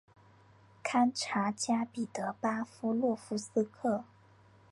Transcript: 堪察加彼得巴夫洛夫斯克。